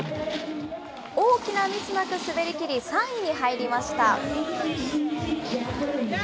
大きなミスなく滑りきり、３位に入りました。